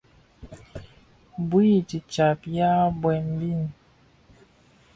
Bui titsàb yaà bwem bi.